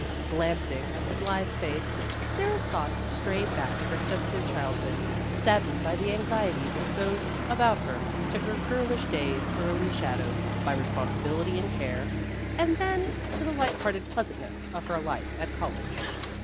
Glancing at the blithe face, Sara's thoughts strayed back to her sensitive childhood saddened by the anxieties of those about her, to her girlish days early shadowed by responsibility and care, and then to the light hearted pleasantness of her life at college.